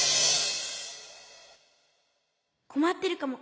こまってるかも。